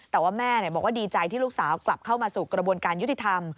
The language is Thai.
แต่ว่าแม่บอกว่าดีใจที่ลูกสาวกลับเข้ามาสู่กระบวนการยุติธรรม